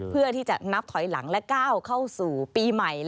เพื่อที่จะนับถอยหลังและก้าวเข้าสู่ปีใหม่